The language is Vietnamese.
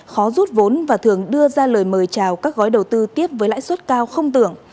khó rút vốn và thường đưa ra lời mời chào các gói đầu tư tiếp với lãi suất cao không tưởng